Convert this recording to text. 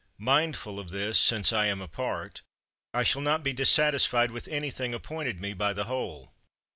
Mindful of this, since I am a part, I shall not be dissatisfied with anything appointed me by the whole.